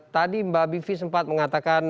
tadi mbak bivi sempat mengatakan